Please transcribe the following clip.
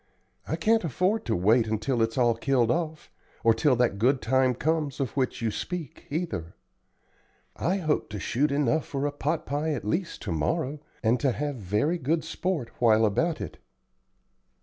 I can't afford to wait until it's all killed off, or till that good time comes of which you speak, either. I hope to shoot enough for a pot pie at least to morrow, and to have very good sport while about it."